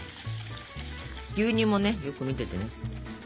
牛乳もねよく見ててね。